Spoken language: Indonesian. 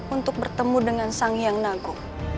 untuk bertemu dengan sang hyang nangku